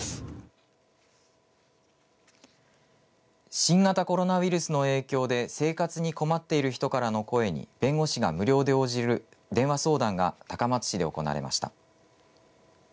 新型コロナウイルスの影響で生活に困っている人からの声に弁護士が無料で応じる電話相談が高松市で行われました。